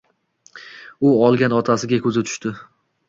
U olgan otasiga ko‘zi tushdi.